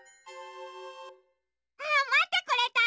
あっまってくれた！